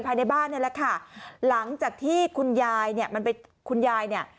ภายในบ้านนั้นแหละค่ะหลังจากที่คุณยายมันไปคุณยายเนี่ย